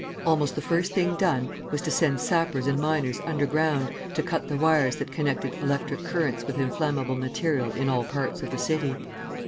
Almost the first thing done was to send sappers and miners underground to cut the wires that connected electric currents with inflammable material in all parts of the city.